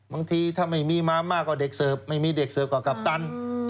บางทีถ้าไม่มีมามากกว่าเด็กเสิร์ฟไม่มีเด็กเสิร์ฟก็กัปตัน